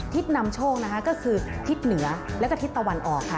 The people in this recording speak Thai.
นำโชคนะคะก็คือทิศเหนือแล้วก็ทิศตะวันออกค่ะ